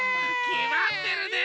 きまってるね！